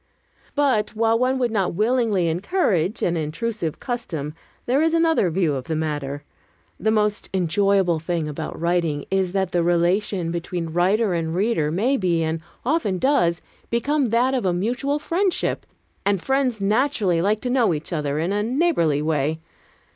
But while one would not willingly encourage an intrusive custom, there is another view of the matter. The most enjoyable thing about writing is that the relation between writer and reader may be and often does become that of mutual friendship; an friends naturally like to know each other in a neighborly way.